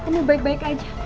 kamu baik baik saja